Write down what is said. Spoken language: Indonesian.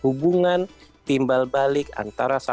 kalau saluran cernanya kita sehat maka organ parunya juga sehat